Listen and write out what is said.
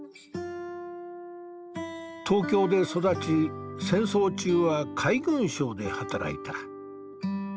東京で育ち戦争中は海軍省で働いた。